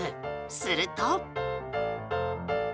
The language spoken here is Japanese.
すると。